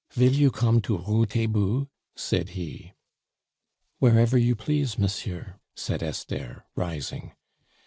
"Vill you come to Rue Taitbout?" said he. "Wherever you please, monsieur," said Esther, rising.